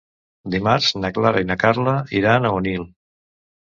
Dimarts na Clara i na Carla iran a Onil.